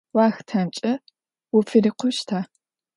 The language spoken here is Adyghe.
Уахътэмкӏэ уфырикъущта?